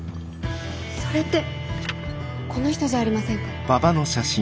それってこの人じゃありませんか？